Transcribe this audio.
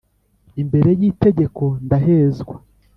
imbere y’itegeko ndahezwa,